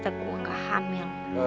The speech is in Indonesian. yes ternyata gue kehamil